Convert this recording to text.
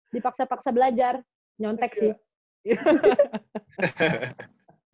dipaksa paksa belajar nyontek sih